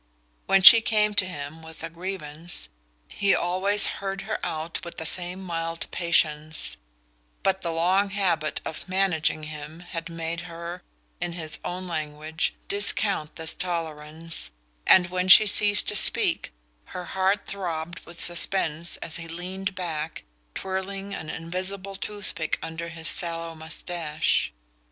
When she came to him with a grievance he always heard her out with the same mild patience; but the long habit of "managing" him had made her, in his own language, "discount" this tolerance, and when she ceased to speak her heart throbbed with suspense as he leaned back, twirling an invisible toothpick under his sallow moustache.